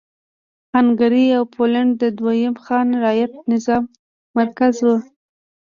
هنګري او پولنډ د دویم خان رعیت نظام مرکز و.